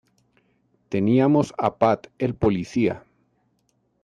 Teníamos a Pat el policía".